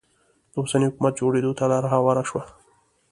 د اوسني حکومت جوړېدو ته لاره هواره شوه.